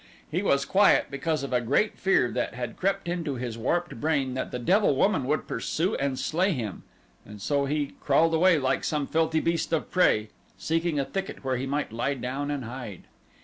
He was quiet because of a great fear that had crept into his warped brain that the devil woman would pursue and slay him. And so he crawled away like some filthy beast of prey, seeking a thicket where he might lie down and hide.